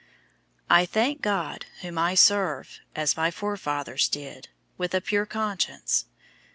001:003 I thank God, whom I serve as my forefathers did, with a pure conscience.